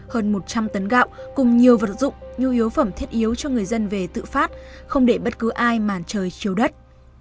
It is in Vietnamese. hơn một trăm linh tấn gạo cùng nhiều vật dụng nhu yếu phẩm thiết yếu cho người dân về tự phát không để bất cứ ai màn trời chiếu đất